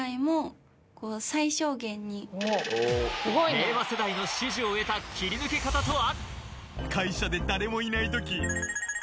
令和世代の支持を得た切り抜け方とは？